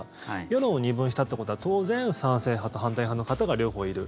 世論を二分したってことは、当然賛成派と反対派の方が両方いる。